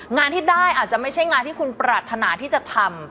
งานที่ได้อาจจะไม่ใช่งานที่คุณปรารถนาที่จะทำ